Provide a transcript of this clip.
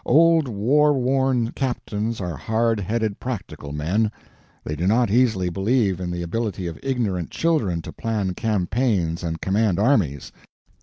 Old war worn captains are hard headed, practical men. They do not easily believe in the ability of ignorant children to plan campaigns and command armies.